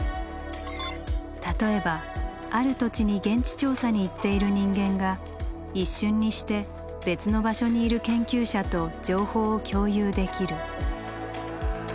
例えばある土地に現地調査に行っている人間が一瞬にして別の場所にいる研究者と情報を共有できる。